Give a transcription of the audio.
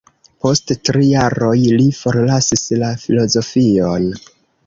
Post tri jaroj li forlasis la filozofion.